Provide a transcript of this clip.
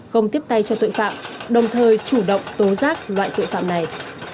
không tiếp tay cho tội phạm đồng thời chủ động tố giác loại tội phạm này